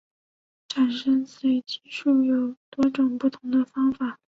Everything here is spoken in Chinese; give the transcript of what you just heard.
产生随机数有多种不同的方法。